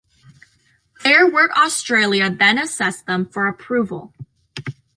Fair Work Australia then assess them for approval.